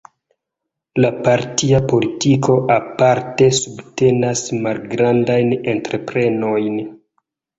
La partia politiko aparte subtenas malgrandajn entreprenojn.